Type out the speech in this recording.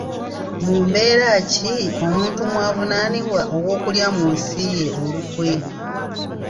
Mu mbeera ki omuntu mw'avunaanibwa ogw'okulya mu nsi ye olukwe?